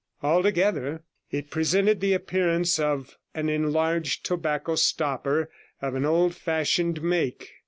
Altogether, it presented the appearance of an enlarged tobacco stopper of an old fashioned make.